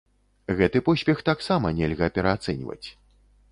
Гэты поспех таксама нельга пераацэньваць.